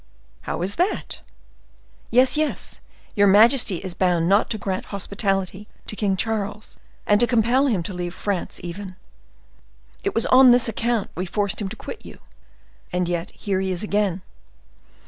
"How is that?" "Yes, yes; your majesty is bound not to grant hospitality to King Charles, and to compel him to leave France even. It was on this account we forced him to quit you, and yet here he is again.